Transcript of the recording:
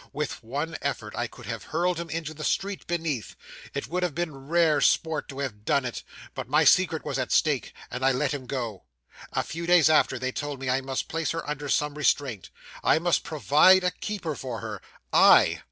With one effort, I could have hurled him into the street beneath. It would have been rare sport to have done it; but my secret was at stake, and I let him go. A few days after, they told me I must place her under some restraint: I must provide a keeper for her. I!